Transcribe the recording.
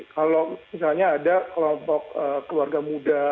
kalau misalnya ada kelompok keluarga muda